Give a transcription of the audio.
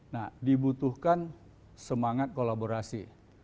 nah dibutuhkan semangat kolaborasi